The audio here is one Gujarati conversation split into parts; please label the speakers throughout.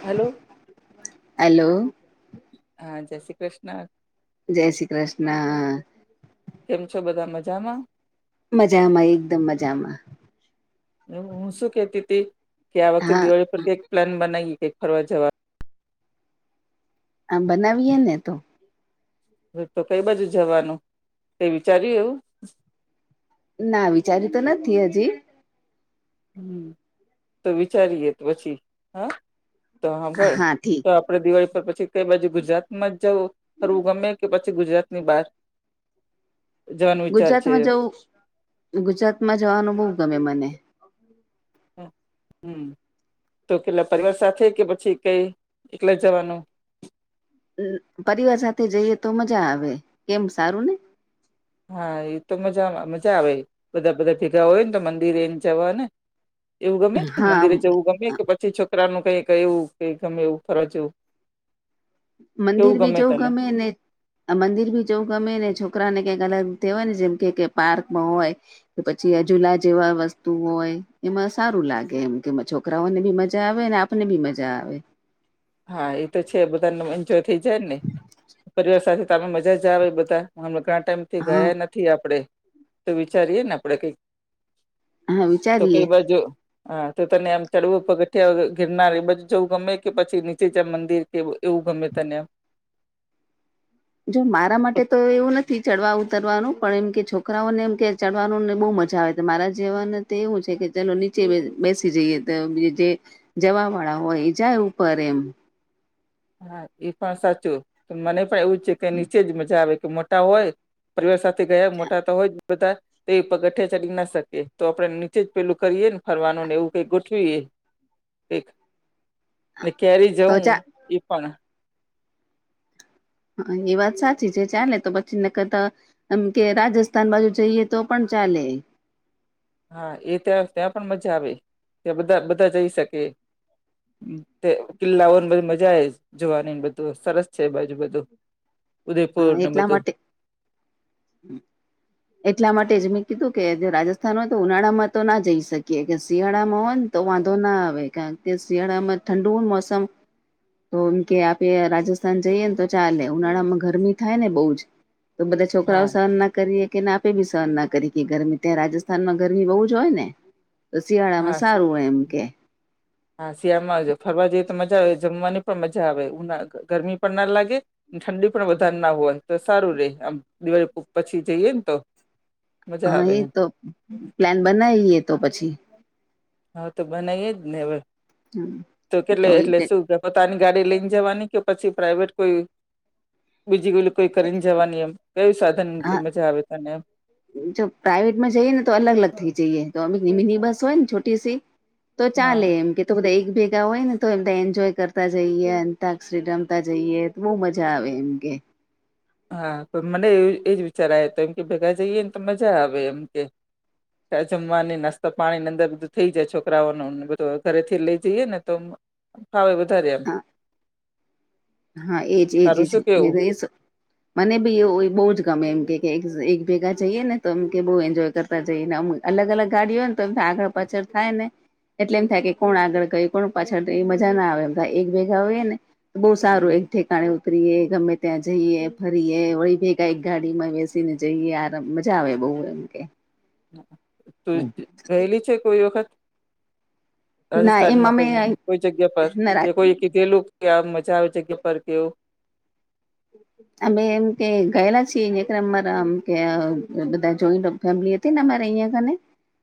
Speaker 1: Hello
Speaker 2: hello.
Speaker 1: હા જય શ્રી કૃષ્ણ
Speaker 2: જય શ્રી કૃષ્ણ.
Speaker 1: કેમ છો બધા મજામાં.
Speaker 2: મજામાં એકદમ મજામાં.
Speaker 1: હું શું કેતી તી કે આ વખતે
Speaker 2: હા
Speaker 1: દિવાળી પરથી એક પ્લાન બનાવી કે ફરવા જવાનો
Speaker 2: આ બનાવીએ ને તો.
Speaker 1: હ તો કઈ બાજુ જવાનું તે વિચાર્યું એવું.
Speaker 2: ના વિચાર્યું તો નથી હજી
Speaker 1: હમ્મ તો વિચારીએે પછી હા તો હાભળ
Speaker 2: હા ઠીક
Speaker 1: તો આપે દિવાળી પર પછી કઈ બાજુ ગુજરાત માં જવું ફરવું ગમે કે પછી ગુજરાતની બહાર જવાનો વિચાર છે
Speaker 2: ગુજરાતમાં જવું ગુજરાતમાં જવાનું બહુ ગમે મને
Speaker 1: હમ્મ તો પેલા પરિવાર સાથે કે પછી કઈ એકલા જવાનું.
Speaker 2: પરિવાર સાથે જઈએ તો મજા આવે કેમ સારું ને.
Speaker 1: હા એ તો મજા મજા આવે બધા બધા ભેગા હોય ને તો મંદિર એને જવા ને એવું ગમે
Speaker 2: હા
Speaker 1: મંદિરે જવું ગમે કે પછી છોકરા નું કઈક એવું કે ગમે એવું ફરવા જેવું.
Speaker 2: મંદિર બી જઉં
Speaker 1: તને
Speaker 2: ગમે ને આ મંદિર બી જવું ગમે ને છોકરાને કઈક અલગ કહેવાય ને જેમ કે પાર્કમાં હોય કે પછી આ જુલા જેવા વસ્તુ હોય એમાં સારું લાગે એમ કે છોકરાઓને બી મજા આવે ને મેને બી મજા આવે
Speaker 1: હા એ તો છે બધાનો એન્જોય થઈ જાય ને પરિવાર સાથે અમે મજા જ આવે બધા હમે ઘણા ટાઈમ થી
Speaker 2: હા
Speaker 1: ગયા નથી. થી આપણેે તો વિચારીએ [inaudible] ને આપણેે કઈક
Speaker 2: હા
Speaker 1: તો કઈ
Speaker 2: વિચારીએ
Speaker 1: બાજુ હા તો તને આમ ચડવું પગઠિયા ઘિરનાર બધું જવું ગમે કે પછી મંદિર કે એવું ગમે તને આમ
Speaker 2: જો મારા મટે તો એવું નથી ચડવા ઉતરવાનું પણ એમ કે છોકરાઓને એમ કે. ચડવાનુંને બહુ મજા આવે મારા જીવન તો એવું છે કે ચલો નીચે બેસી જઈએ તો જે જવા વાળા હોય જાય ઉપર એમ
Speaker 1: હા એ પણ સાચું મને પણ એવું છે કે નીચે જ મજા આવે કે મોટા હોય પરિવાર સાથે ગયા મોટા તો હોય જ બધા. તો પગથિયા ચડી ના શકે તો આપડે નીચે જ પેલું કરીએ ને ફરવાનું ને એવું કઈ ગોઠવીએ. એક ક્યારે
Speaker 2: તો
Speaker 1: જવું
Speaker 2: ચા
Speaker 1: ઈ પણ.
Speaker 2: હ એ વાત સાચી છે ચાલે તો પછી ન કતા. એમ કે રાજસ્થાન બાજુ જઈએ તો પણ ચાલે.
Speaker 1: હા એ ત્યાં ત્યાં પણ મજા આવે ત્યાં બધા બધા જઈ શકે. તે કિલ્લાઓને બધી મજા આવે જોવાની બધું સરસ છે એ બાજુ બધું. ઉદયપુર
Speaker 2: હા
Speaker 1: ને
Speaker 2: એટલા
Speaker 1: બધું
Speaker 2: માટે હ. એટલા માટે જ મેં કીધું કે જો રાજસ્થાન હોય તો ઉનાળામાં તો ના જઈ શકીએ કે શિયાળામાં હોય ને. તો વાંધો ના આવે કારણ કે શિયાળામાં ઠંડુ મોસમ. તો એમ કે આપે રાજસ્થાન જઈએે ને તો ચાલે ઉનાળામાં ઘર. થાયને બ બધા
Speaker 1: હા
Speaker 2: છોકરાઓ સહન ના કરીએ. કેને આપે બી સહન ના કરી કે ગરમી ત્યાં રાજસ્થાન માં ગરમી બહુ જ હોય ને. તો શિયાળા
Speaker 1: હા
Speaker 2: માં સારું હોય એમ કે.
Speaker 1: હા શિયાળમાં ફરવા જઈએ તો મજા આવે જમવાની પણ મજા આવે ઉનાળા કરતા. ગરમી પણ ના લાગે. ઠંડી પણ વધારે ના હોય તો સારું રે આમ દિવાળી પછી જઈએ ને તો. મજા
Speaker 2: હા
Speaker 1: આવે
Speaker 2: એ
Speaker 1: એમ.
Speaker 2: તો પ્લાન બનાવીએ તો પછી.
Speaker 1: હા તો બનાવી જ ને હવે તો કેટલે એટલે શું. પોતાની ગાડી લઈને જવાની કે પછી પ્રાાઈવેટ કોઈ બીજી કો કોઈ કરીને જવાની એમ કયું સાધન
Speaker 2: હા
Speaker 1: તજ આવે તને એમ.
Speaker 2: જો પ્રાાઈવેટમાં જઈએ ને તો અલગ અલગ થઈ જઈએ તો અમક મિની બસ હોય ને છોટી સી. તો ચાલે
Speaker 1: હા
Speaker 2: એમ કે. તો બધા એક ભેગા હોય ને તો એમધા એન્જોય કરતા જઈએ અતાક્ષરી રમતા જઈએ. બહુ મજા આવે એમ કે.
Speaker 1: હા પણ મને એવ એજ વિચાર આવે તો એમ કે ભેગા જઈએ ને તો મજા આવે એમ કે. જમવાની નાસ્તા પાણીની અંદર બધું થઈ જાય છોકરાઓ નધ ઘરે થી લઈ જઈએ ને તો હાવવે વધારે એમ.
Speaker 2: હા હા એજ એજ
Speaker 1: તારું
Speaker 2: એજ
Speaker 1: શું
Speaker 2: મે
Speaker 1: કેવું?
Speaker 2: તો એ શું. મને બી એ બહુ જ ગમે એમ કે એક ભેગા જઈએ ને તો એમ કે બહ એન્જોય કર તા જઈને અમ અલગ અલગ ગાડીઓય ને તો એમ આગળ પાછળ થાય ને. એટલે એમ થાય કે કોણ આગળ કઈ કોણ પાછળ મજા ના આવે એમ થાય એક ભેગા હોઈ ને તો બહુ સારું એક ઠકાણે. વારીએ ગમે ત્યાં જઈએ ફરીએ ઓળી ભેગા એક ગાડીમાં બેસી ને જઈએ. મજા આવે બહુ એમ કે.
Speaker 1: તું ગયલી છે કોઈ વખત.
Speaker 2: ના
Speaker 1: રાજસ્થાનમાં ક
Speaker 2: એમાં અમે
Speaker 1: કોઈ જગ્યા પર
Speaker 2: ના
Speaker 1: કે કોઈ. કેધ લોકો મજા આવે છે કે પર કેવું.
Speaker 2: અમે એમ કે ગયેલા છીએક અમારા આમ કે બધા જોઈન્ટ. ફેમિલી હતી ને અમારે અહીં કને.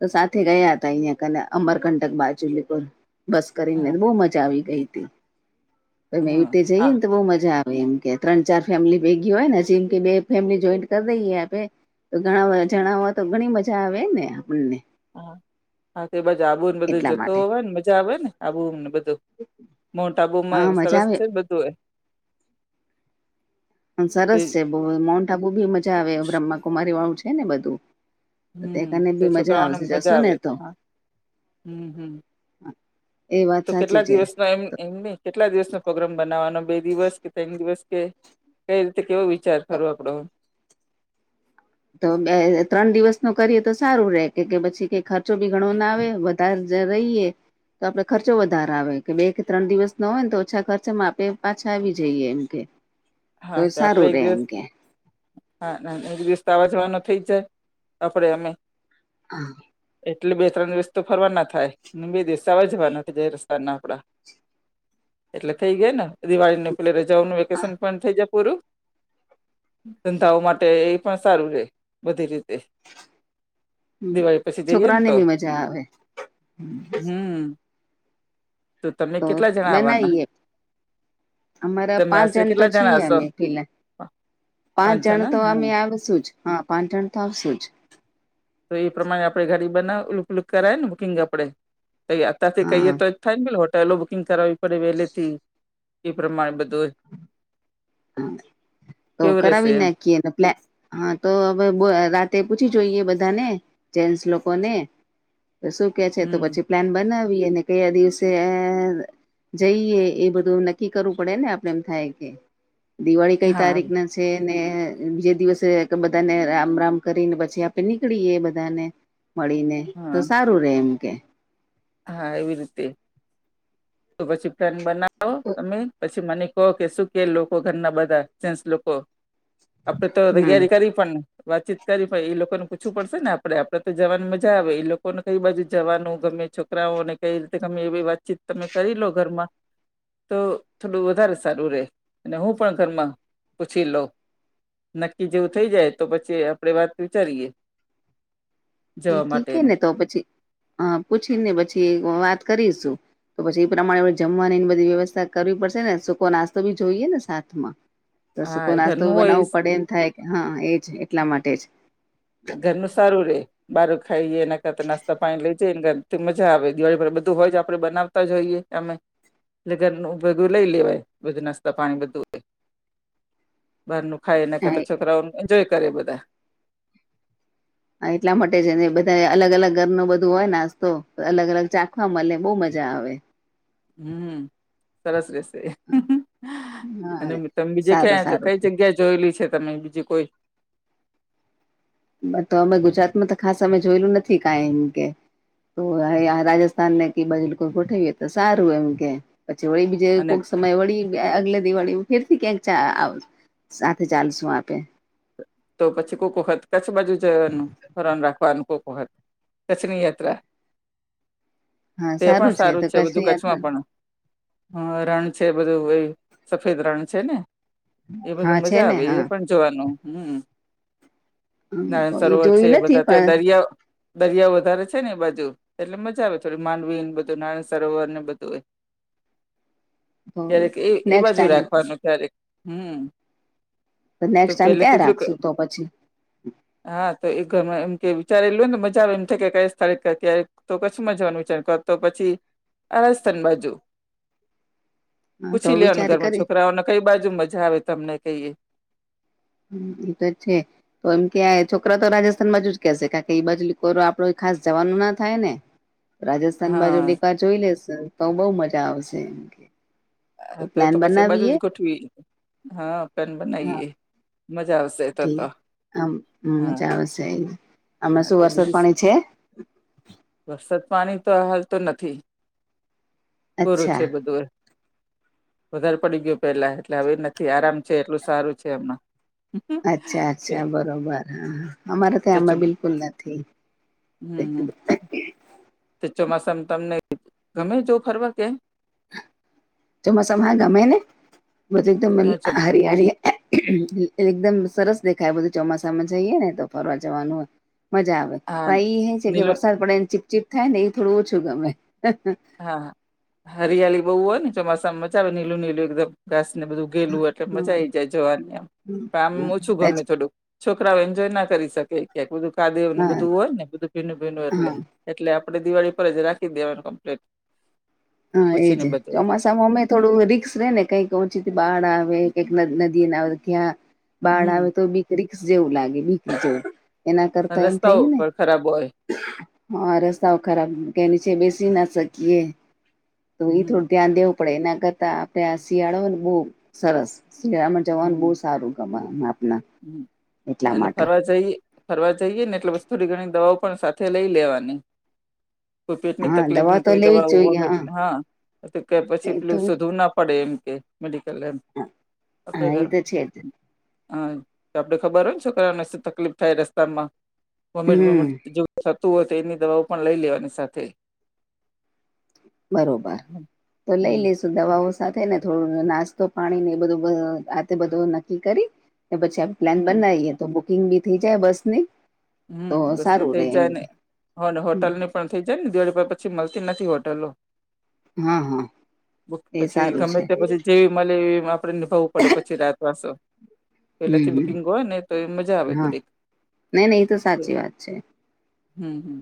Speaker 2: તો સાથે ગયા હતા અહિયાં ક અમરકંટક બાજુલીર. બસ
Speaker 1: હા
Speaker 2: કરીનેને બહુ મજા આવી ગઈ હતી
Speaker 1: હમ
Speaker 2: મેતે
Speaker 1: હા
Speaker 2: જઈને તો બહુ મજા આવી. એમ કે ત્રણ ચાર ફેમિલી ભેગી હોય ને જેમ કે બે ફેમિલી જોઈન્ટ કરી દઈએ આપે. તો ઘણા જણાવવા તો ઘણી મજા આવે ને આપણને.
Speaker 1: હા હા તે બાજ આબુને બધું
Speaker 2: એટલા
Speaker 1: જતો
Speaker 2: માટે
Speaker 1: હોય ને મજા આવે ને આબુમને બધું. મોન્ટ
Speaker 2: હા
Speaker 1: આબુમાં
Speaker 2: મજા
Speaker 1: સરસ
Speaker 2: આવે
Speaker 1: છે બધું એ. તે
Speaker 2: સરસ છે બ માઉન્ટ આબુ બી મજા આવે બ્રહ્માકુમારી વાળું છે ને બધુ.
Speaker 1: હમ તે છોકરાઓને મજા આવે
Speaker 2: તો
Speaker 1: હ. હમ હમ
Speaker 2: એ વાત
Speaker 1: તો
Speaker 2: સાચી
Speaker 1: કેટલા
Speaker 2: છે
Speaker 1: દિવસમાં એમ. એમને કેટલા દિવસ નો પ્રગ્રામ બનાવવાનો બે દિવસ કે ત્રણ દિવસ કે કઈ રીતે કેવો વિચાર ખો આપડો
Speaker 2: તો બે ત્રણ દિવસ ન કરીએ તો સારું રે કે પછી ક ખર્ચો બી ઘણો ના આવે તરજ રહીએ તો આપડે ખર્ચો વધારે આવે કે બે કે ત્રણ દિવસ ન હોય ને તો ઓછા ખર્ચામાં આપે પાછા આવી જઈએ એમ કે તો
Speaker 1: હા આપડે
Speaker 2: સારું
Speaker 1: એક
Speaker 2: રે એમ
Speaker 1: દિવસ
Speaker 2: કે
Speaker 1: હા ના એક દિવસ તો આવવાઝવા ન થઇ જાય આપરે અમે
Speaker 2: હા
Speaker 1: એટલે બે ત્રણ દિવસ તો ફરવા ના થાય બે દિવસવા જવાના જય રસ્તા ના આપડા એટલે થઈ ગયા ને દિવાળીને પેલે રજાઓનું વેકેશન પણ થઇ જાય પૂરું ધંધાઓ માટે એ પણ સારું રે બધી રીતે દિવાળી પછી જઈએ ને
Speaker 2: છોકરાને
Speaker 1: તો
Speaker 2: બી મજા આવે
Speaker 1: હમ તમે
Speaker 2: તો
Speaker 1: કેટલા જણા આવવાના
Speaker 2: બનાવીએ અમારા
Speaker 1: તમે
Speaker 2: પાંચ
Speaker 1: આશરે
Speaker 2: જણા તો
Speaker 1: કેટલા
Speaker 2: છીએ
Speaker 1: હશો
Speaker 2: અમે પેલા પાંચ જણ
Speaker 1: જણા
Speaker 2: તો
Speaker 1: હા
Speaker 2: અમે આવશું જ હા પાંચ જણ તો આવશુ જ
Speaker 1: તો એ પ્રમાણે આપણે ઘડી બનાલુકલુક કરાય ને બુકિંગ આપડે તો અતથી કહીએ
Speaker 2: હા હા
Speaker 1: તો થાય ને પે હોટેલો બુકિંગ કરાવવી પડે વહેલેથી એ પ્રમાણે બધું
Speaker 2: હ તોો
Speaker 1: કેવું
Speaker 2: કરરા
Speaker 1: રેશે એમ
Speaker 2: ભનાખીને પ્લા હા તો હવે રાતે પૂછી જોઈએ બધાને જેન્ટસ લોકોને તો શું કે છે તો
Speaker 1: હમ
Speaker 2: પછી પ્લાન બનાવીને કયા દિવસે જઈએ એ બધું નક્કી કરવું પડે ને આપડે એમ થાય કે દિવાળી કઈ
Speaker 1: હા
Speaker 2: તારીખને છે ને બીજ દિવસે બધાને રામ રામ કરીને પછી આપે નીકળી બધાને મળીને તો
Speaker 1: હા
Speaker 2: સારું રે એમ કે
Speaker 1: હા એવી રીતે તો પછી ફેન બનાવો તમે પછી મને ઓકે સુું કે લોકો ઘરના બધા સેસ લોકો આપડે તો
Speaker 2: હમ
Speaker 1: તૈયારી કરી પણને વાતચીત કરી પણ એ લોકો ને પૂછવું પડશે ને આપડે આપડે તો જવાની મજા આવે એ લોકોને કઈ બાજુ જવાનું ગમે છ છોકરાને કઈ રીતે તમે એવી વાતચીત તમે કરી લો ઘરમાં તો થોડું વધારે સારું રહેે અને હું પણ ઘરમાં પૂછી લોઉ નક્કી જેવું થઇ જાય તો પછી આપડે વાત વિચારીએ જવા
Speaker 2: ઠીે
Speaker 1: માટેનું
Speaker 2: ને તો પછી હ પૂછીને પછી વાત કરીશું તો પછી એ પ્રમાણે આપણે જમવાની એની બધી વ્યવસ્થા કરવી પડશે ને સૂકો નાસ્તો બી જોઈએ ને સાથ માં તો
Speaker 1: હા
Speaker 2: સુકો નાસ્તો
Speaker 1: ઘરનું હોય
Speaker 2: બનાવવું પડે એમ થાય કે હા એજ એટલા માટે જ
Speaker 1: ધન સારું રે બારું ખાઈએ એના કરતા નાસ્તા પાણી લઈ જઈ ને મજા આવે દિવાળી પર બધું હોય જ આપડણે બનાવતા જઈએ અમે ઘર ભેગું લઈ લેવાય બધ નાસ્તા પાણી બધું હો બાર નું ખાય નાને
Speaker 2: હા
Speaker 1: કરતા છોકરાઓનું એન્જોય કરે બધા
Speaker 2: હા એટલા માટે છે ને બધા અલગ અલગ ઘર ન બધું હોય નાસ્તો અલગ અલગ ચાખવા મળે બહુ મજા આવે
Speaker 1: હમ સરસ રહેશે અને
Speaker 2: હા
Speaker 1: તમે બીજે
Speaker 2: સારું
Speaker 1: ક્યા
Speaker 2: સારું
Speaker 1: કઈ જગ્યા જોયેલી છે તમે બીજીું કોઈ
Speaker 2: તો અમે ગુજરાતમાં તો ખાસ અમે જોયેલું નથી કઈ એમ કે તો રાજસ્થાન ને કે બાજુ લોકો ગોઠવીએ તો સારું એમ કે પછી હોળી બીજ જે
Speaker 1: અને
Speaker 2: કોઈક સમય વળી અગલે દિવાળી ફેરથી ક્યાંક સાથે ચાલશું આપે
Speaker 1: તો પછી કોઈકખત કચ્છ બાજુ જવાનું હેરાન રાખવાનું કોઈકખત કચ્છની યાત્રા
Speaker 2: હા
Speaker 1: તે પણ
Speaker 2: તો
Speaker 1: સારું છે બધું
Speaker 2: કચ્છની
Speaker 1: કચ્છમાં
Speaker 2: યાત્રા
Speaker 1: પણ હ રણ છે બધું એ સફેદ રણ છે ને એ બધું
Speaker 2: હા છે
Speaker 1: મજા
Speaker 2: ને
Speaker 1: આવે
Speaker 2: હા
Speaker 1: એ પણ જોવાનું હમ
Speaker 2: તો
Speaker 1: નાયણસરોવર છે
Speaker 2: જોયું
Speaker 1: એ
Speaker 2: નથી
Speaker 1: બધા તે
Speaker 2: પણ
Speaker 1: દરિયો દરિયા વધારે છેન એ બાજુ એટલે મજા આવે, થોડી માંડવીન બધું નારણસરોવર ને બધુ
Speaker 2: [inaudible]
Speaker 1: ક્યારેક એ એ
Speaker 2: નેક્સ્ટ
Speaker 1: બાજુ
Speaker 2: ટાઈમ
Speaker 1: રાખવાનું ક્યારેક હમ તો
Speaker 2: નેક્સ્ટ ટાઈમ ત્યાં
Speaker 1: પેલેથી થોડુંક
Speaker 2: રાખશું તો પછી
Speaker 1: હા તો એ ઘરમાં એમ કે વિચારેલું હો ને મજા આવે એમ થ કે ક સ્થળે ક્યારે તો પછી મજાનું છેન, કો તો પછી આરસ્થાન બાજુ
Speaker 2: હા તો
Speaker 1: પૂછી લેવાનું
Speaker 2: વિચાર
Speaker 1: ઘરમાં
Speaker 2: કરી
Speaker 1: છોકરાઓને કઈ બાજુ મજા આવે તમને કઈ એ.
Speaker 2: હમ્મ, એ તો છે. તો એમ કે આ છોકરાઓતો રાજસ્થાન બાજુ જ કેશે, કારણ કે ઈ બાજુ કોરો આપડો ખાસ જવાનું ના થાય ને. રાજસ્થાન બાજુ
Speaker 1: હા
Speaker 2: નકા જોઈ લેસ તો બઉ મજા આવશે એમ કે
Speaker 1: અ તે
Speaker 2: પ્લાન
Speaker 1: તો પશ બાજુ
Speaker 2: બનાવીએ
Speaker 1: જ ગોઠવી, હન, પેન બનાઈએ મજા આવ
Speaker 2: થી આમ મજા આવશે, આમાં
Speaker 1: હા
Speaker 2: શું
Speaker 1: તો
Speaker 2: વરસાદ
Speaker 1: બીજું
Speaker 2: પાણી છે?
Speaker 1: વરસાદ પાણી તો હાલ તો નથી, કોરું છે
Speaker 2: અચ્છા.
Speaker 1: બધુય. વધાર પડી ગયો પેલા એટલે હવે નથી આરામ છે, એટલું સારું છે હમના
Speaker 2: અચ્છા, અચ્છા, બરોબર. હઅ હઅ અમારે તો એમાં બિલકુલ નથી.
Speaker 1: હમ હમ તો ચોમાસામ તમને ગમે જવુ ફરવા કયાંય?
Speaker 2: ચોમાસામ હા ગમે ને, બધુ એકદમ લ
Speaker 1: હા
Speaker 2: હરિ-હરિયા [unintelligible] એકદમ સરસ દેખાય બધું ચોમાસામાં જઈએ ને તો ફરવા જવાનું. મજા આવે પહી એ છે કે
Speaker 1: નીલો
Speaker 2: વરસાદ પડેને ચીપચીપ થાયને એ થોડું ઓછું ગમે.
Speaker 1: હા, હા, હરિયાલી બઉ હોયને ચોમાસામ મજા આવે નીલું-નીલું એકદમ ઘાસને બધુ ગેલું એટલે
Speaker 2: હા
Speaker 1: મજા આઈ જાય જવાની આમ, પણ આમ ઓછું ગમે થોડુંક. છોકરાવ એન્જોય ના કરી શકે ક્યાય બધુ કાદવને બધુ હોયને બધુ ભીનું-ભીનું એટલે.
Speaker 2: હા
Speaker 1: એટલે આપડે દિવાળી પર જ રાખી દેવાનું કમ્પલેટ.
Speaker 2: હન, એ જ. ચોમાસ તામામય થોડું રીક્સ રેને કંઈક વચ્ચેથી બાડ આવે, કંઈક નદ નદી-નાડા ક્યાં બાડ આવે
Speaker 1: હમ
Speaker 2: તો બીક રીકસ જેવું લાગે બીક જેવું એના કરતા એમ
Speaker 1: રસ્તાઓ
Speaker 2: થયું ને
Speaker 1: પણ ખરાબ હોય
Speaker 2: હઅ, રસ્તાઓ ખરાબ કયાય નીચે બેસી ના શકીએ. તો એ
Speaker 1: હમ
Speaker 2: થોડું ધ્યાન દેવું પડે એના કરતા આપડે આ શિયાળો હોયને બઉ સરસ, શિયાળામાં જવાનું બઉ સારું ગમ અમા
Speaker 1: હમ્મ, અન ફરવા જઈએ ફરવા જઈએને એટલે પસ થોડી ઘણી દવાઓ પણ સાથે લઈ લેવાની. કોઈ પેટની
Speaker 2: હા દવા
Speaker 1: તકલીફની
Speaker 2: તો
Speaker 1: કોઈ
Speaker 2: લેવી જ
Speaker 1: દવાઓ
Speaker 2: જોઈએ
Speaker 1: વોમિટ,
Speaker 2: હા
Speaker 1: હન તો કે પછી
Speaker 2: એ તો
Speaker 1: પેલું શોધવું ના પડે એમ કે મેડિકલ એમ
Speaker 2: હા
Speaker 1: આપડે
Speaker 2: એ તો છે જ
Speaker 1: [unintelligible] હન તો આપડે ખબર હોયન છોકરાવને શું તકલીફ થાય રસ્તામાં
Speaker 2: હમ
Speaker 1: વોમિટ-બોમિટ જેવું થતું હોય તો એની દવાઓ પણ લઈ લેવાની સાથે.
Speaker 2: બરોબર,
Speaker 1: હમ
Speaker 2: તો લઈ લે તો દવાઓ સાથેને થોડું નાસ્તો-પાણીને એ બધુ આ તે બધુ નક્કી કરી તો પછી આ પ્લાન
Speaker 1: હમ
Speaker 2: બનાઈએ તો બુકિંગ બી થઈ જાય બસની.
Speaker 1: હમ, બસની થઈ જાયને અને હોટલની પણ થઈ જાયને દિવાળી પર પછી મલતી નથી હોટેલો.
Speaker 2: હા હા
Speaker 1: બુક
Speaker 2: એ
Speaker 1: પછી
Speaker 2: સારું
Speaker 1: ગમે
Speaker 2: છે
Speaker 1: તે પછી જે મલે એવીમ આપડે નિભાવું પડે પછી રાત વાસો
Speaker 2: હમ
Speaker 1: પેલેથી
Speaker 2: હમ,
Speaker 1: બુકિંગ હોયને તો એવી મજા આવે
Speaker 2: હા
Speaker 1: થોડીક.
Speaker 2: નઈ, નઈ એ તો સાચી વાત છે.
Speaker 1: હમ્મ, હમ્મ.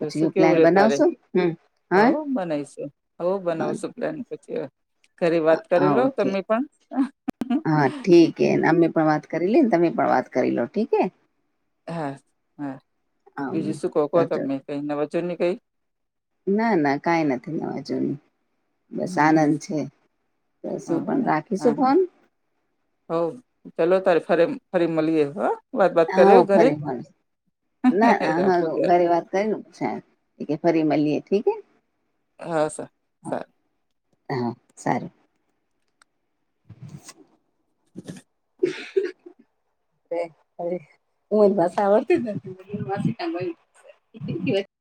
Speaker 1: તો શું
Speaker 2: હું
Speaker 1: કેવુ
Speaker 2: પ્લાન
Speaker 1: રે તારે?
Speaker 2: બનાવશો હમ હા
Speaker 1: હવ, બનાઈશુ. હવ, બનાવશું. પ્લેન પછી વા, ઘરે વાત કરી
Speaker 2: હા
Speaker 1: લો
Speaker 2: ઠીક
Speaker 1: તમે પણ.
Speaker 2: હા, ઠીક હે,
Speaker 1: હમ
Speaker 2: અમે પણ વાત કરી લીએને, તમે પણ વાત કરી લો, ઠીક હે.
Speaker 1: હા હા બીજું શું કહ ક
Speaker 2: હા તો
Speaker 1: તમે કઈ નવાજોન ની કઈ
Speaker 2: ના, ના કાંઈ નથી નવા-જુની. બસ
Speaker 1: હમ
Speaker 2: આનંદ
Speaker 1: હમ
Speaker 2: છે, તો
Speaker 1: હા
Speaker 2: શું પણ રાખીશું ફોન?
Speaker 1: હઉ, ચાલો તાર ફર ફરી મલીએ હો.
Speaker 2: હા ફરી ભ ના ના હ
Speaker 1: રાખું ત્યારે
Speaker 2: ઘરી વાત [unintelligible] ક પછ ફરી મળએ ઠીકે
Speaker 1: હા સર
Speaker 2: હા હા સારુ [unintelligible]
Speaker 1: [unintelligible]
Speaker 2: [unintelligible] અ હમ માસા [unintelligible] [unintelligible]